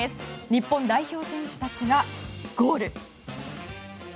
日本代表選手たちがゴール。